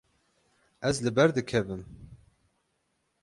Ez li ber dikevim.